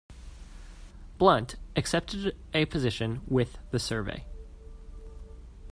Blunt, accepted a position with the Survey.